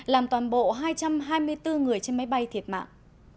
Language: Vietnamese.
làm toàn bộ hai trăm hai mươi bốn người trên máy bay thiệt mạng